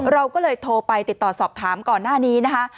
เราก็เลยโทรไปติดต่อสอบถามก่อนหน้านี้นะคะ